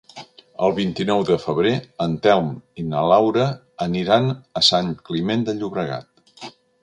El vint-i-nou de febrer en Telm i na Laura aniran a Sant Climent de Llobregat.